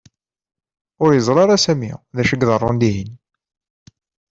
Ur yeẓri ara Sami d acu i iḍerrun dihin.